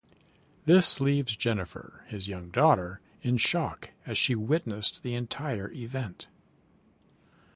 This leaves Jennifer, his young daughter, in shock as she witnessed the entire event.